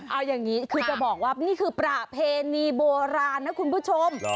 เอาอย่างนี้คือจะบอกว่านี่คือประเพณีโบราณนะคุณผู้ชม